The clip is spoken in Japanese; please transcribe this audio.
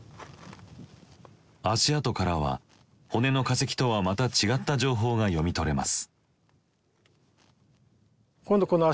足跡からは骨の化石とはまた違った情報が読み取れます。